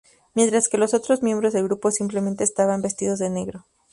Mientras que los otros miembros del grupo simplemente estaban vestidos de negro.